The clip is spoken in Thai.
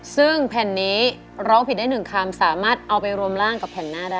ซึ่งแผ่นนี้ร้องผิดได้๑คำสามารถเอาไปรวมร่างกับแผ่นหน้าได้